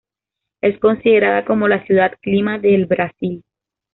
Es considerada como la "Ciudad Clima del Brasil".